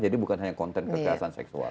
jadi bukan hanya konten konten kekerasan seksual